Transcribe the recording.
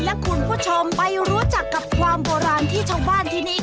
และคุณผู้ชมไปรู้จักกับความโบราณที่ชาวบ้านที่นี่